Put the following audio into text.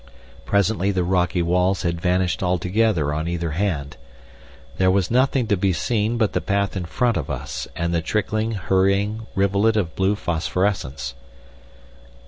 Presently the rocky walls had vanished altogether on either hand. There was nothing to be seen but the path in front of us and the trickling hurrying rivulet of blue phosphorescence.